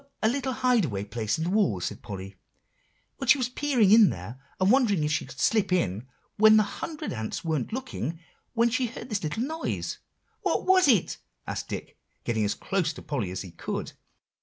"Oh! a little hide away place in the wall," said Polly. "Well, she was peering in there, and wondering if she could slip in when the hundred ants weren't looking, when she heard this little noise." "What was it?" asked Dick, getting as close to Polly as he could.